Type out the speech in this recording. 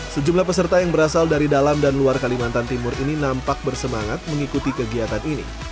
sejumlah peserta yang berasal dari dalam dan luar kalimantan timur ini nampak bersemangat mengikuti kegiatan ini